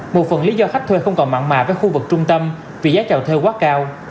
một phần lý do khách thuê không còn mạng mà với khu vực trung tâm vì giá trào thuê quá cao